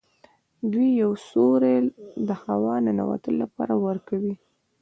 دوی یو سوری د هوا د ننوتلو لپاره ورکوي.